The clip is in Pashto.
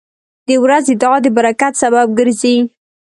• د ورځې دعا د برکت سبب ګرځي.